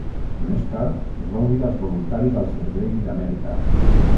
Més tard es va unir als Voluntaris al Servei d'Amèrica.